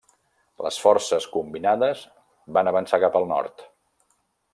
Les forces combinades van avançar cap al nord.